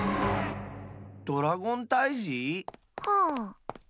ドラゴンたいじ？はあ。